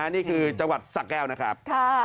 นี่คือจังหวัดสะแก้วนะครับ